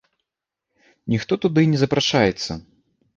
Ніхто туды не запрашаецца.